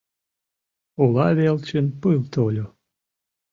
Ола велчын пыл тольо